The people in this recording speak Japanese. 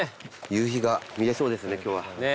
夕日が見れそうですね